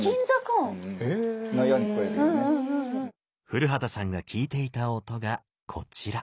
古畑さんが聴いていた音がこちら。